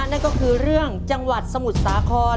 นั่นก็คือเรื่องจังหวัดสมุทรสาคร